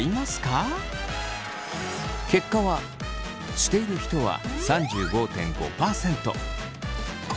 結果はしている人は３５．５％。